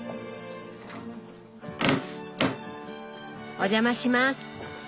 お邪魔します！